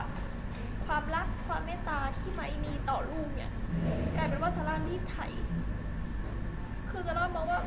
ทุกอย่างมันเกิดขึ้นจากการตัดสินใจของเราทั้งคู่